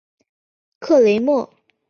克雷莫。